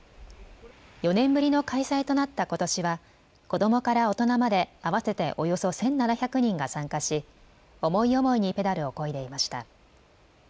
４年ぶりの開催となったことしは子どもから大人まで合わせておよそ１７００人が参加し、思い思いにペダルをこいでいました。